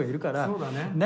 そうだね。